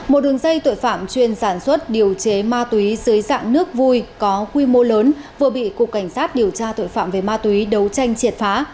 một đường dây tội phạm chuyên sản xuất điều chế ma túy dưới dạng nước vui có quy mô lớn vừa bị cục cảnh sát điều tra tội phạm về ma túy đấu tranh triệt phá